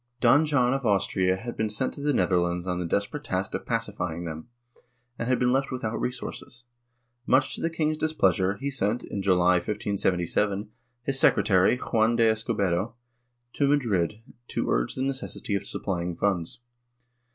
Don John of Austria had been sent to the Netherlands on the desperate task of pacifying them, and had been left without resources. Much to the king's displeasure, he sent, in July, 1577, his secretary, Juan de Escobedo, to Madrid to urge the necessity of supplying funds.